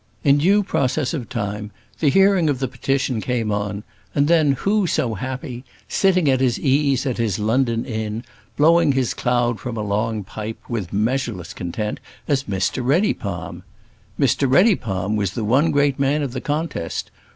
In due process of time the hearing of the petition came on, and then who so happy, sitting at his ease at his London Inn, blowing his cloud from a long pipe, with measureless content, as Mr Reddypalm? Mr Reddypalm was the one great man of the contest.